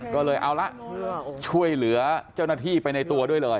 ก็เลยเอาละช่วยเหลือเจ้าหน้าที่ไปในตัวด้วยเลย